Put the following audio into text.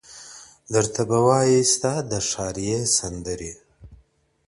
o درته به وايي ستا د ښاريې سندري.